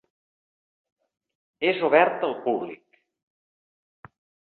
És obert al públic.